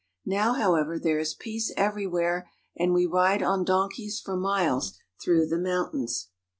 Now, however, there is peace everywhere, and we ride on donkeys for miles through the mountains.